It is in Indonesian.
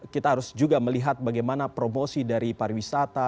kita harus juga melihat bagaimana promosi dari pariwisata